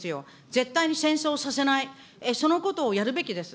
絶対に戦争させない、そのことをやるべきです。